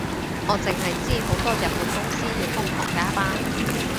我淨係知好多日本公司要瘋狂加班